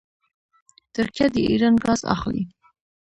ترکیه د ایران ګاز اخلي.